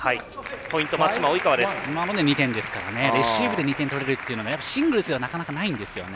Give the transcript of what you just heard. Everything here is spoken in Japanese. レシーブで２点取れるというのはシングルスではなかなか、ないんですよね。